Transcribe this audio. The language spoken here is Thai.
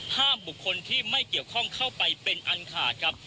ห้ามบุคคลที่ไม่เกี่ยวข้องเข้าไปเป็นอันขาดครับ